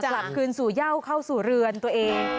กลับคืนสู่เย่าเข้าสู่เรือนตัวเอง